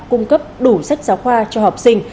cung cấp đủ sách giáo khoa cho học sinh